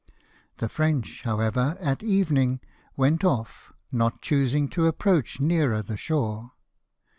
The French, however, at evening, went ofl", not choosing to approach nearer the shore.